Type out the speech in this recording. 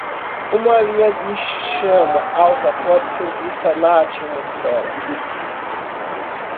Uma linha de chama alta pode ser vista na atmosfera.